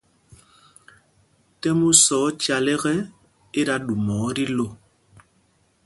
Tɛ̰m u sá ocal ekɛ, i da ɗuma ɔ tí lô.